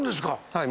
はい。